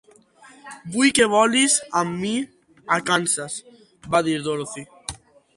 "Vull que volis amb mi a Kansas," va dir Dorothy.